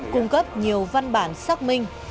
cung cấp nhiều văn bản xác minh